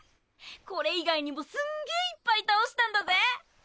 これ以外にもすんげえいっぱい倒したんだぜ！